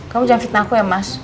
kamu jangan fitnah aku ya mas